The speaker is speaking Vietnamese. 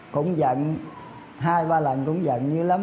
cũng giận hai ba lần cũng giận như lắm